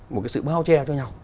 một cái sự bao che cho nhau